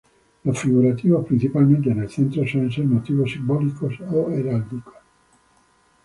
Los figurativos, principalmente en el centro, suelen ser motivos simbólicos o heráldicos.